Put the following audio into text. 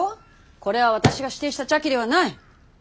これは私が指定した茶器ではない。